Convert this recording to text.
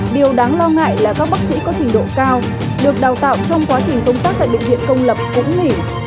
điều đáng lo ngại là các bác sĩ có trình độ cao được đào tạo trong quá trình công tác tại bệnh viện công lập cũng nghỉ